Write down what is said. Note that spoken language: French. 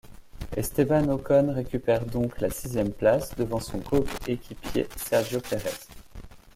Esteban Ocon récupère donc la sixième place devant son coéquipier Sergio Pérez.